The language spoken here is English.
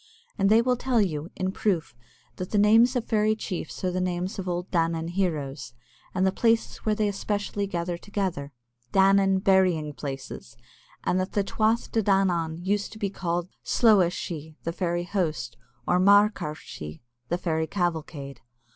And they will tell you, in proof, that the names of fairy chiefs are the names of old Danān heroes, and the places where they especially gather together, Danān burying places, and that the Tuath De Danān used also to be called the slooa shee [sheagh sidhe] (the fairy host), or Marcra shee (the fairy cavalcade).